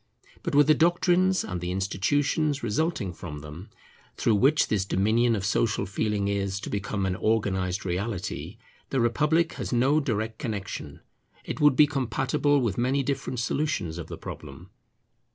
But with the doctrines and the institutions resulting from them, through which this dominion of social feeling is to become an organized reality, the republic has no direct connexion; it would be compatible with many different solutions of the problem.